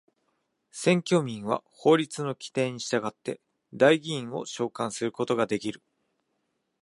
選挙民は法律の規定に従って代議員を召還することができる。